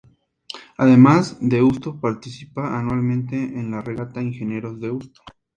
Además, Deusto participa anualmente en la Regata Ingenieros-Deusto.